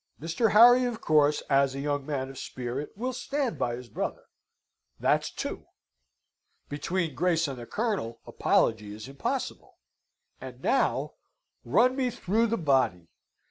Mr. Harry, of course, as a young man of spirit, will stand by his brother. That's two. Between Grace and the Colonel apology is impossible. And, now run me through the body!